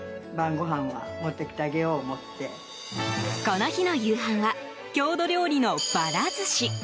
この日の夕飯は郷土料理のばら寿司。